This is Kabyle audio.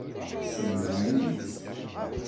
Teslemdem-iyi-tt.